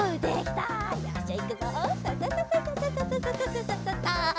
ササササササ。